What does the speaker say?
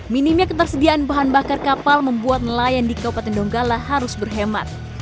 minimnya ketersediaan bahan bakar kapal membuat nelayan di kabupaten donggala harus berhemat